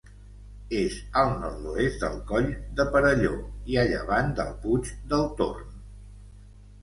És al nord-oest del Coll de Perelló i a llevant del Puig del Torn.